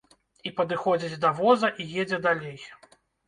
І падыходзіць да воза і едзе далей.